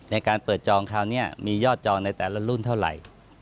ในการเปิดจองคราวนี้มียอดจองในแต่ละรุ่นเท่าไหร่